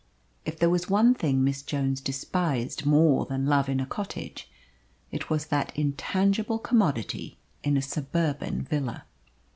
If there was one thing Miss Jones despised more than love in a cottage, it was that intangible commodity in a suburban villa.